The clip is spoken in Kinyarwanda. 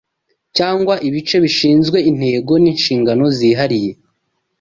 cyangwa ibice bishinzwe intego ninshingano zihariye